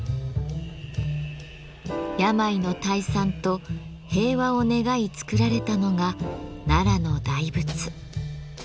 病の退散と平和を願い造られたのが奈良の大仏。